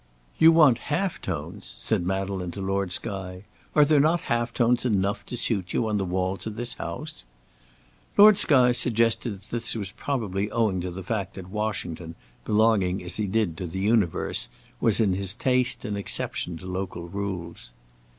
"You want half tones!" said Madeleine to Lord Skye: "are there not half tones enough to suit you on the walls of this house?" Lord Skye suggested that this was probably owing to the fact that Washington, belonging, as he did, to the universe, was in his taste an exception to local rules.